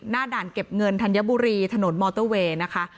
ด่านเก็บเงินธัญบุรีถนนมอเตอร์เวย์นะคะ